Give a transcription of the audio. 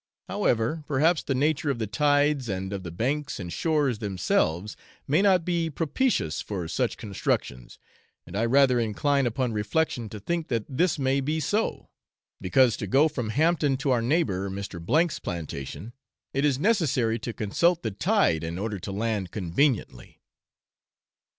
However, perhaps the nature of the tides, and of the banks and shores themselves, may not be propitious for such constructions, and I rather incline upon reflection to think this may be so, because to go from Hampton to our neighbour Mr. C 's plantation, it is necessary to consult the tide in order to land conveniently.